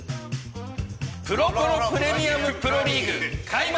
プロポロプレミアムプロリーグ開幕！